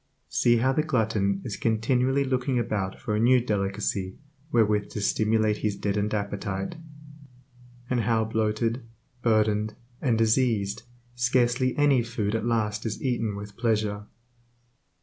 See how the glutton is continually looking about for a new delicacy wherewith to stimulate his deadened appetite; and how, bloated, burdened, and diseased, scarcely any food at last is eaten with pleasure.